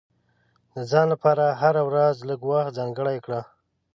د ځان لپاره هره ورځ لږ وخت ځانګړی کړه.